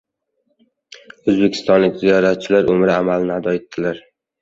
O‘zbekistonlik ziyoratchilar umra amalini ado etdilar